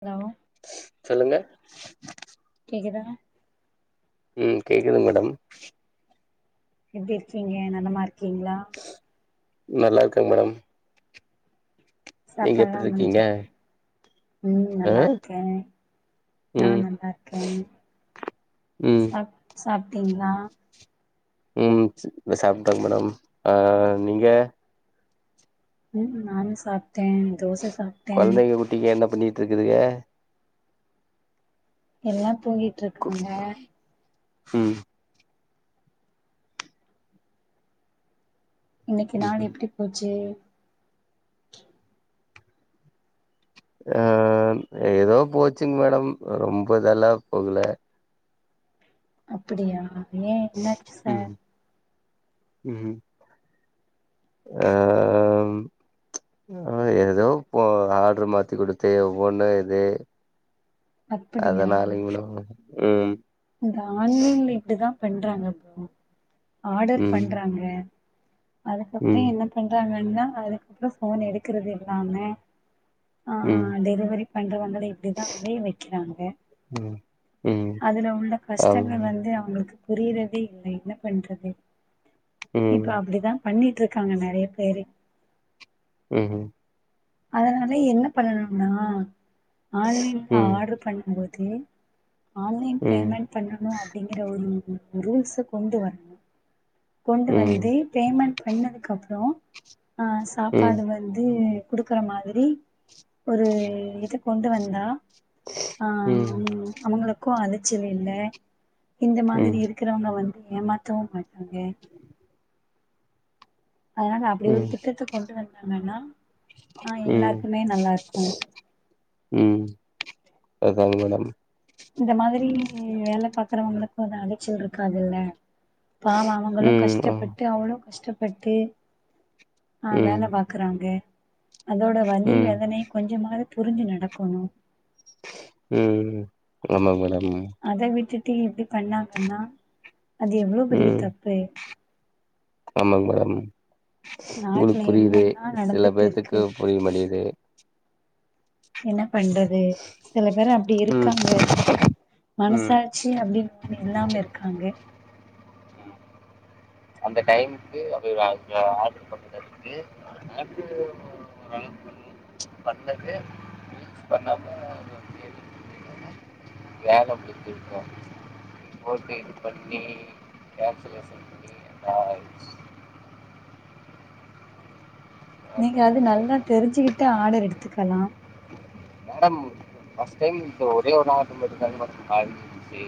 Hello சொல்லுங்க தா ம் கேக்குதுங் மேடம் எப்டி இருக்கீங்க நலமா ருக்கீங்களா நல்லா இருக்காங்க மேடம் நீங்க சாப்பாடு ஆ எப்டி இருக்கீங்க முடிஞ்சது ம் ஆ நல்லா இருக்கேன் ம் நான் நல்லா இருக்கேன் ம் சாப் சாப் [unintelligible] ம் சாப்டங்க மேடம் ஆ நீங்க ம் நானு சாப் டேன் தோசை சாப்ட்டேன் துகுதுங்க எல்லா போயிட்டு இருக்காங்க ம் இன்னைக்கு நாள் எப்டி போச்சு? ஆ ஏதோ போச்சுங்க மேடம் ரொம்ப இதெல்லாம் போகல அப்பிடியா? ஏ என்னாச்சு சார் ம் ஆ ம் ஏதேதோ போ ஆர்டரு மாத்தி கொடுத்து ஒவ்வொண்ணா எது அப்படியா அதனால இவ்ளோ ம் இந்த ஆன்லைன்ல இப்டிதா பண்றாங்க அப்றோ ஆடர் ம் பண்றாங்க அதுக்கப்பற ம் என்ன பண்றாங்க? [unintelligible] அதுக்கப்புறோ போன் எடுக்கறது எல்லாமே ஆ ம் டெலிவரி பண்றவங்கல ங்கு இப்படிதா அலைய வெக்கிறாங்க ம் ம் அதுலவுங் உள்ள ஆமா கஷ்டங்கள் வந்து அவுங்குளுக்கு புரிறபவ்தே இல்ல என்ன பண்றது? ம் இப்ப அப்டிதா பண்ணிட்டிருக்காங்க நெறைய பேரு ம் ம் அதனால என்னப் பண்ணணும்னா ஆன்லைன்ல ம் ஆடர் பண்ணும் போது [unintelligible] ஆன்லைன் ம் பேமெண்ட் பண்ணணும் அப்படிங்ற ஒரு ரூல்ஸ கொண்டு வர் கொண்டு ம் வந்து பேமெண்ட் பண்ணதுக் அப்றோ ஆ ம் சாப்பாடு ம் வந்து குடுக்குற மாதிரி ஒரு இது கொண்டு வந்தா ஆஹ் உம் அவுங்களக் -க்கும் அலச்சல் இல்ல இந்த மாதிரி ம் இருக்கிறவங்க வந் ஏமாத்தவும் மாட்டாங்க அதனால அப்பிடி ஒரு ம் திட்டத்தக் கொண்டு வந்தாங் என்னன்னா ஆஹ் ம் எல்லார்க்குமே நல்லா இருக்கும் அதாங் மேடம் இந்த மாதிரி வேலப் பாக்குறவங்களுக்கும் அந்த அடிக்ச்சல் இருக்காதுல்ல பாவம் அவங்களும் ம் ஆ கஷ்டப்பட்டு அவளும் கஷ்டப் பட்டு ஆஹ் ம் வேலப் பாக்குறாங்க அதோட வந்தி ம் வேதனைக் கொஞ்சமாது புரிஞ்சு நடக்கோணும் உஹம் ஆம்மா மேடம் அத விட்டுட் எப்டி இப்டி பண்ணாங்கன்னா அது எவ்ளோ பெரிய உம் தப்பு ஆமாங் மேடம் நாட்டுல உங்ளுக்கு புரியுது என்னல்லா சில நடந்துட்டு இருக்கு பேத்துக்குப் புரிய் மாட்டிங்குது என்னப் பண்றது சில பேரு அப்டி ம் இருக்காங்க ம் மனசாச்சி அப்டின்னு ஒன்னு இல்லாம இருக்காங்க அந்த டைமுக்கு [unintelligible] ஆர்ட்ரு பண்ணுனது பண்ணது பண்ணாம அது வந்து வேல முடிஞ்சிருக்கோம் [unintelligible] பண்ணி கேனலேசன் ராய்ஸ் நீங்க அது நல்லா சொல்லலாம். தெரிஞ்சுகிட்டு ஆடர் எடுத்துக்கலாம் மேடம் ஃபஸ்ட் டைம் இந்த ஒரே ஒரு ஆட்ரு மட்டுந்தாங் மா ஆஹ் காந்துச்சு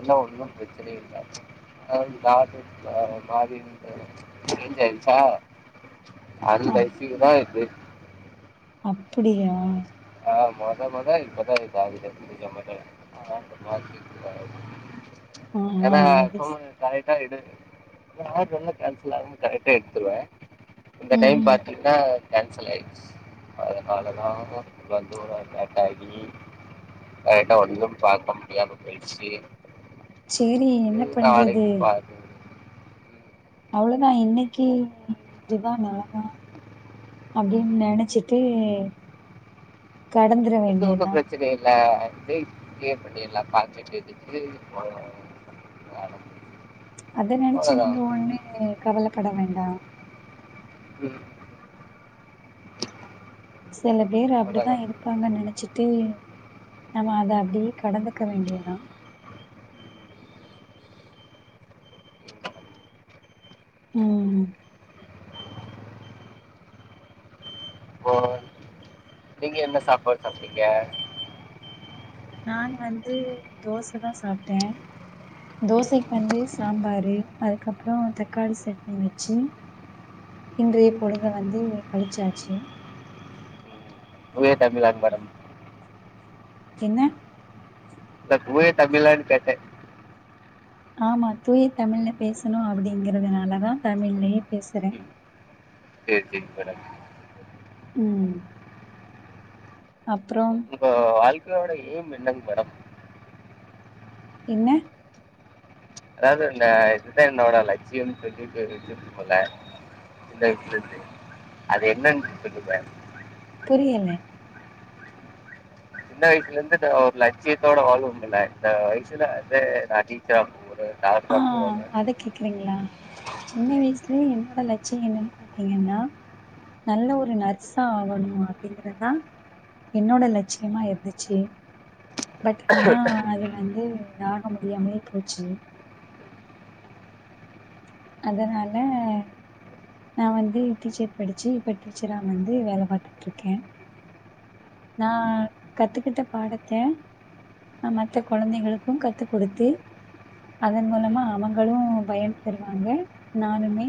என்ன ஒன்னும் பிரச்சனை இல்ல அத நாட்டு மாறி இருந்த ஜெயிச்சா அந்த ஐசிக்குதா இது அப்புடியா ஆஹ் மொத மொத இப்தா இந்த ஆ [unintelligible] ஆ ஏன்னா அது ஸ் இப்பமே [unintelligible] ஆட்ரு வந்தா கேன்சல் ஆவு கரெக்ட்டா எடுத்ருவென் இந்த ம் டைம் ம் பாத்தீங்ன்னா கேன்சல் ஆய்டிச் அதனாலதா வந்து ஒரு அர்மண் லேட்டாகி கரேட்டா வந்தும் பாக்னும் இடியாபம் பெய்ட்ச்சி சேரி என்னப் பண்றது பார்த்து அவ்ளோதா இன்னெக்கி இப்டிதா நெலந்தா அப்டின்னு நெனச்சிட்டு கடந்துர வேண்டியதா கே [unintelligible] பண்ணல்லா பாட்டு எச்சு அத நினைச்சு நீங்க ஒண்ணு கவலப்பட வேண் தா உம் சில பேர் அப்டிதா இருப்பாங்க நினைச்சிட்டு நாம அத அப்படியே கடந்துக்க வேண்டியதான் உம் இப்போ நீங்க என்ன சாப்பாடு சாப்ட்டிங்க நானு வந்து தோச தா சாப்ட தோசைக்கு வந்து சாம்பாரு அதுக்கப்ரோ தக்காளி சட்னி வச்சு இன்றைய பொழுத வந்து கழிச்சாச்சு தூய தமிழாங் மேடம் என்ன? இல்ல தூய தமிழானு கேட்ட ஆமா தூய தமிழ்ல பேசணு அப்படிங்கறதுனால தா தமிழ்லயே பேசுறேன் செரி செரி வர உம் அப்ரோ துர்காவோட ஏய்ம் என்னங் மேடம் என்ன? அதாவது இந்த இதுதான் என்னோட லட்சியம்னு சொல்லிட்டு வச்சுருப்போம்ல சின்ன வயசுல இருந்து அத என்னென்ட்டு சொல்லுவ புரியலே சின்ன வயசுல இருந்து தோ ஒரு லட்சியத்தோட வாழ்வோம்ல இந்த வயசுல வந்து நா டீச்சராவபோற ஆஹ் அத கேக்குறீங்களா சின்ன வயசு லயே என்னோட லட்சியம் என்னன்னு பாத்தீங்கன்னா நல்ல ஒரு நர்ஸா ஆகணும் அப்டிங்கறதா என்னோட லட்சியமா இருந்துச்சு பட் ஆனா அது வந்து அது ஆக முடியாமலே போச்சு அதனால நான் வந்து டீச்சர் படிச்சு இப்ப டீச்சரா வந்து வேல பாத்துட்டுருக்கேன் நான் கத்துக்கிட்ட பாடத்த நான் மத்த கொழந்தைகளுக்கு கத்து குடுத்து அதன் மூலமா அவங்களு பயன் பெறுவாங்க நானுமே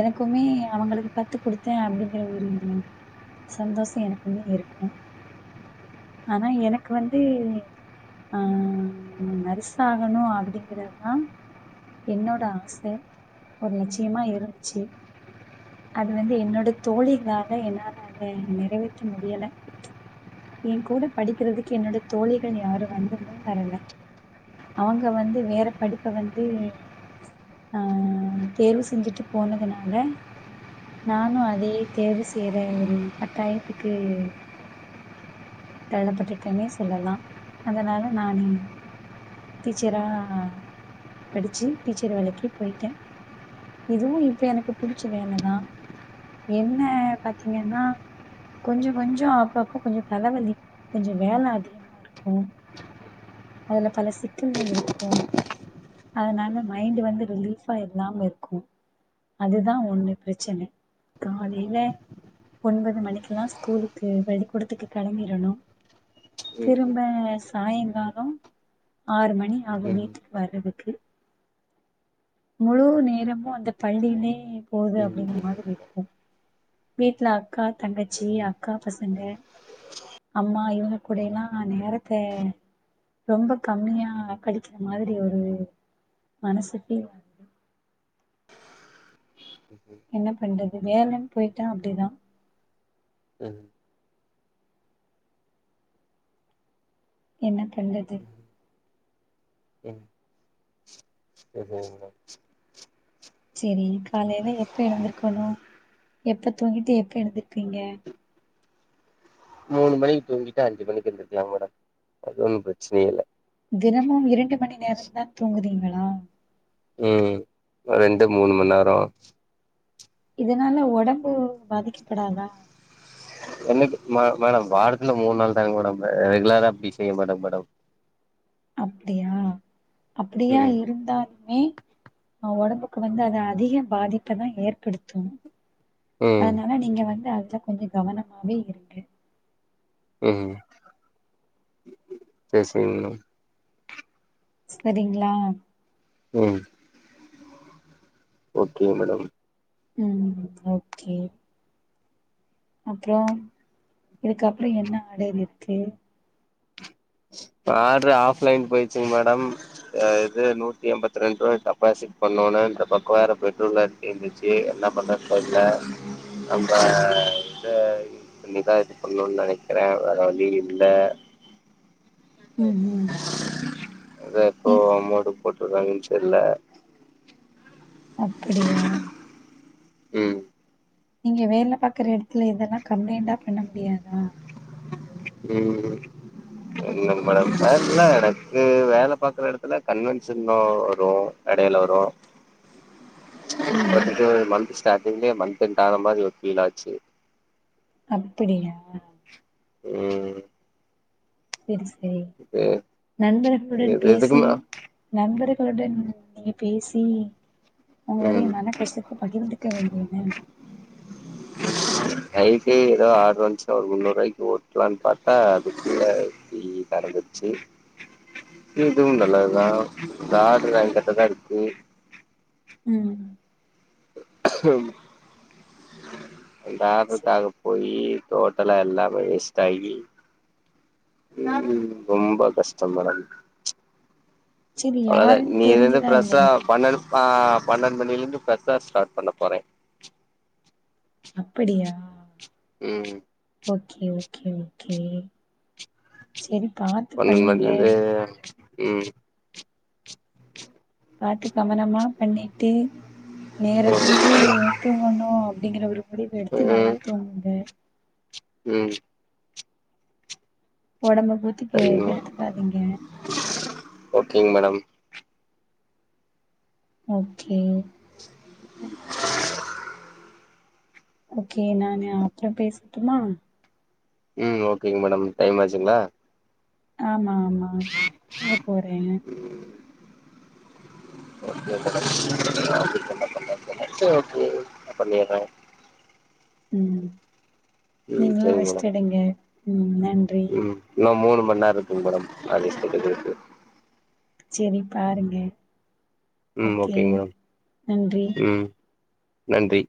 எனக்குமே அவங்களுக்கு கத்து குடுத்தேன் அப்டிங்கிற ஒரு சந்தோஷம் எனக்குமே இருக்கு ஆனா எனக்கு வந்து ஆஹ் நர்ஸ் ஆகணும் அப்டிங்கிறதுதான் என்னோட ஆச ஒரு லட்சியமா இருந்துச்சு அது வந்து என்னோட தோழிகளால என்னால அத நிறைவேத்த முடியல என் கூட படிக்கிறதுக்கு என்னோட தோழிகள் யாரும் வந்து முன் வரல அவங்க வந்து வேற படிப்ப வந்து ஆஹ் தேர்வு செஞ்சுட்டு போனதுனால நானும் அதையே தேர்வு செய்யற ஒரு கட்டாயத்துக்கு தள்ளப்பட்டுட்டேன்னே சொல்லலாம் அதனால நானு டீச்சரா படிச்சு டீச்சர் வேலைக்கி போயிட்டேன் இதுவும் இப்ப எனக்கு புடிச்ச வேலதான் என்ன பாத்தீங்கன்னா கொஞ்ச கொஞ்ச அப்பப்ப கொஞ்ச தலைவலி கொஞ்ச வேல அதிகமா இருக்கும் அதுல பல சிக்கல்கள் இருக்கும் அதனால மைண்டு வந்து ரிலீஃபா இல்லாம இருக்கும் அதுதான் ஒண்ணு பிரச்சனை காலைல ஒன்பது மணிக்குலாம் ஸ்கூலுக்கு பள்ளிக்கூடத்துக்கு கெளம்பிரனு திரும்ப சாயங்காலம் ஆறு மணி மணி ஆகும் வீட்டுக்கு வர்றதுக்கு முழு நேரமும் அந்த பள்ளியிலே போது அப்டிங்கிற மாதிரி இருக்கும் வீட்ல அக்கா தங்கச்சி அக்கா பசங்க அம்மா இவங்க கூட எல்லாம் நேரத்த ரொம்ப கம்மியா கழிக்கிற மாதிரி ஒரு மனசு ஃபீல் என்ன பண்றது வேலன்னு போயிட்டா அப்டிதா ஹம் என்ன கண்டது ம் எதுவு இல்ல சேரி காலையில எப்ப எழுந்திருக்கணு எப்ப தூங்கிட்டு எப்ப எந்திருப்பீங்க மூணு மணிக்கு தூங்கிட்டு அஞ்சு மணிக்கு எந்திரிக்கலாம் மேடம் அதுல ஒன்னு பிரச்சனையே இல்ல தினமும் இரண்டு மணி நேரம் தான் தூங்குறீங்கள் உஹம் ரெண்டு மூணு மண் நேரோ இதனால உடம்பு பாதிக்கப்படாதா என்னது மேட மேடம் வாரத்துல மூணு நாள் தாங்க மேடம் ரெகுலரா அப்படி செய்ய மாட்டேங் மேடம் அப்டியா அப்படியா ம் இருந்தாலுமே உடம்பு ப்ப வந்து அது அதிக பாதிப்பதா ஏற்படுத்து ம் அதனால நீங்க வந்து அது கொஞ்சோ கவனமாவே இருக்கு ஹம் சேர் சேரிங் மேடம் சரிங்ளா ஹம் ஓகே மேடம் உம் ஓகே அப்ரோ இதுக்கப்ரோ என்ன ஆடைல் இருக்கு ஆர்டரு ஆஃப்லைன் போயிச்சுங் மேடம் ம் இது நூத்தி எம்பத் ரெண்டு ரூவா டெபாசிட் பண்ணோன இந்த பக்கோ வேற பெட்ரோல்லா தீந்துச்சு என்ன பண்றதுனு தெர்ல நம்ம இனி தான் இது பண்ணுனு நினைக்கிறே வேற வழி இல்ல ம் ம் இது எப்போ நீ அமௌன்ட்டு போட்டுறாங்கன்னு சர்ல அப்படியா ஹம் நீங்க வேல பாக்ற இடத்துல இதெல்லாம் கம்ப்ளைண்டா பண்ண முடியாதா உம் என்னங் மேடம் வேல்ல எனக்கு ம் வேலை பாாரக்குற இடத்துல கன்வென்ஷன் வரும் இடையில வரும் ம் ம் [unintelligible] மந்த்த் ரண்டு ஆன மாரி ஒரு ப்பீழாச்சு அப்ப்டோஓஓஓஓஓஓ ஹம் சரி [unintelligible] ச நண்பர்களுடன் எது பேசி எதுக்குமா நண்பர் டன் நீங்க பேசி உங்களுடைய ம் மன கஷ்டத்த பகிர்ந்துக்க வேண்டிய தானே நைட்டி ஏதோ ஆர்டர் வந்துச்சா ஒரு முன்னூறு வாய்க்கு ஓட்டலாம்னு பாத்தா அதுக்குள்ள தறந்துச்சு இதுவும் நல்லதுதா இந்த ஆ்ட்ரு அங்க கிட்ட தான் இருக்கு உம் அதல்லாவதுக்காக போயி தோட்டல எல்லாமே வேஸ்ட் ஆகி உம் ரொம்ப கஷ்டம் பற செரி அவ அத யாருன்னு நீந்து தெரிஞ்சுதா பிரச இல்லையா பண்ண ஆஹ் பன்னெண்டு மணில இருந்து பொ ஸ்டார்ட் பண்ண போறேன் அப்படியா உம் ஓகே ஓகே ஓகே சரி பாத்து ஒண்ணன் மாிர பண்ணுங்க வந்து உம் பாத்து கவமனமா பண்ணி ட்ட நேரத்துக்கு தூங்கணும் இங்க ஒரு அப்படி எடுத்து நல்லா தூங்குது உம் உடம்பு பஊத்திக்கு சரிங்க கெடுத்துக்காதீங்க ஓகேங்க மேடம் ஓகே உம் ஓகே நான் அப்புறம் பேசட்டுமா ம் ஓகேங்க மேடம் டைம் ஆச்சுங்களா ஆமா ஆ ஆமா எங்க போறேங்க ண்ணஓ ந பண்ணிறேன் உம் நீங்களும் சரிங்க ரெஸ்ட் மேடம் எடுங்க உம் ம் நம் மூணு மன்னார தும்படம் [unintelligible] இருக்கு செரி பாருங்க ம் ஓகே மேடம் நன்றி ம் நன்றி